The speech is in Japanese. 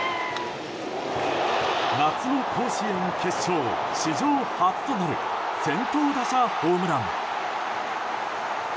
夏の甲子園、決勝史上初となる先頭打者ホームラン！